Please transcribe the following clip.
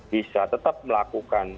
bisa tetap melakukan